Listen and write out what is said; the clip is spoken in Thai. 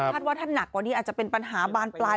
ว่าถ้าหนักกว่านี้อาจจะเป็นปัญหาบานปลาย